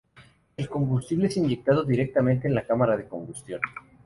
El combustible es inyectado directamente en la cámara de combustión.